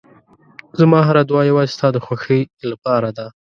زما هره دعا یوازې ستا د خوښۍ لپاره ده.